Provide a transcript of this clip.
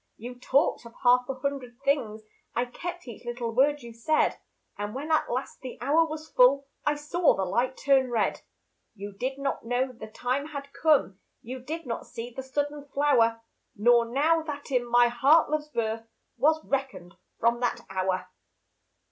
You talked of half a hundred things, I kept each little word you said; And when at last the hour was full, I saw the light turn red. You did not know the time had come, You did not see the sudden flower, Nor know that in my heart Love's birth Was reckoned from that hour.